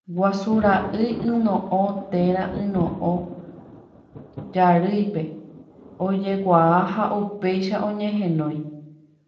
Guasu ra'y yno'õ térã Yno'õ jarýipe ojekuaa ha upéicha oñehenói.